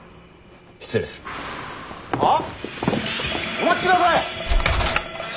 お待ちください！